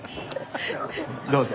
どうぞ。